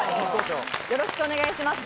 よろしくお願いします。